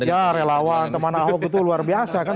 ya relawan teman ahok itu luar biasa kan